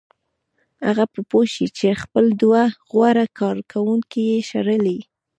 هغه به پوه شي چې خپل دوه غوره کارکوونکي یې شړلي